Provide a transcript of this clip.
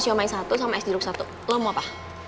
soma yang satu sama es jeruk satu lo mau apa